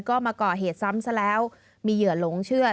ก็มาก่อเหตุซ้ำซะแล้วมีเหยื่อหลงเชื่อ